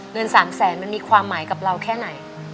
เงิน๓แสนมันมีความหมายกับเราแค่ไหน